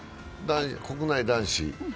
国内男子。